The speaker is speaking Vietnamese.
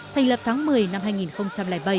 thành lập tháng một mươi năm hai nghìn một mươi chín